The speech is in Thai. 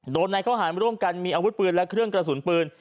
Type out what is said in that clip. ในข้อหารร่วมกันมีอาวุธปืนและเครื่องกระสุนปืน